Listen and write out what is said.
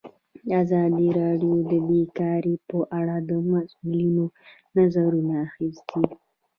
ازادي راډیو د بیکاري په اړه د مسؤلینو نظرونه اخیستي.